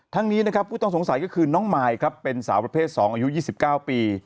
นี้นะครับผู้ต้องสงสัยก็คือน้องมายครับเป็นสาวประเภท๒อายุ๒๙ปี